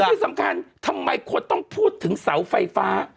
ที่สำคัญทำไมคนต้องพูดถึงเสาไฟฟ้า